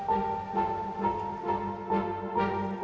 udah mau ke rumah